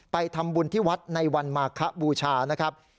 ไปทำบุญที่วัดในวันมาคบูชานะครับ